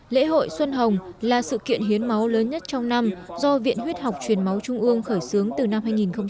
lễ hội xuân hồng là sự kiện hiến máu lớn nhất trong năm do viện huyết học truyền máu trung ương khởi xướng từ năm hai nghìn một mươi